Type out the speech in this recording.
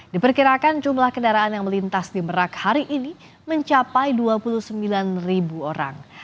diperkirakan jumlah kendaraan yang melintas di merak hari ini mencapai dua puluh sembilan ribu orang